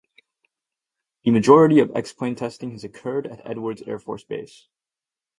The majority of X-plane testing has occurred at Edwards Air Force Base.